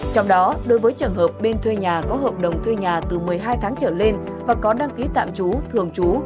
trong đó đối với trường hợp bên thuê nhà có hợp đồng thuê nhà từ một mươi hai tháng trở lên và có đăng ký tạm trú thường trú